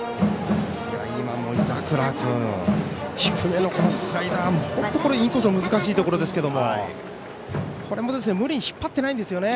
今も井櫻君低めのスライダーインコース難しいところですけどもこれも無理に引っ張ってないんですよね。